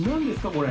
これ。